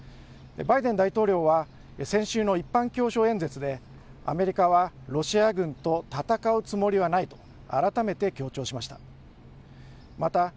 バイデン大統領は先週の一般教書演説でアメリカはロシア軍と戦うつもりはないと改めて強調しました。